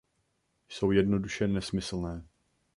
Jsou jednoduše nesmyslné.